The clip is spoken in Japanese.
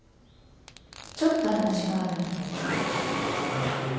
ちょっと話があるんだけど。